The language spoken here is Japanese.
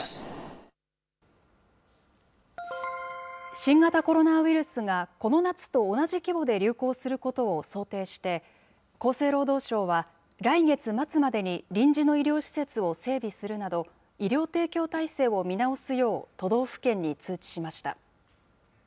新型コロナウイルスがこの夏と同じ規模で流行することを想定して、厚生労働省は、来月末までに臨時の医療施設を整備するなど、医療提供体制を見直すよう、都道府県に通知しました。